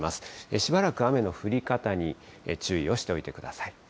しばらく雨の降り方に注意をしておいてください。